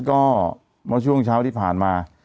ก็เมื่อช่วงเช้าที่ผ่านมา